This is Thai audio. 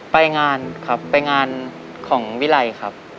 ไปงานครับไปงานของวิไลครับ